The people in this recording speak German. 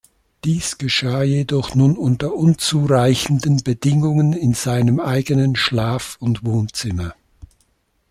Dies geschah jedoch nun unter unzureichenden Bedingungen in seinem eigenen Schlaf- und Wohnzimmer.